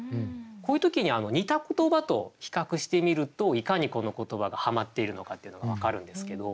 こういう時に似た言葉と比較してみるといかにこの言葉がはまっているのかっていうのが分かるんですけど。